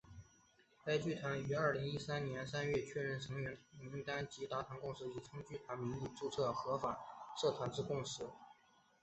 该剧团于二零一三年三月确认成员名单及达成以冲剧团名义注册为合法社团之共识。